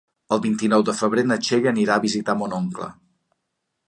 El vint-i-nou de febrer na Txell anirà a visitar mon oncle.